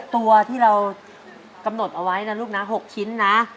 ตัวที่เรากำหนดเอาไว้นะลูกนะ๖ชิ้นนะ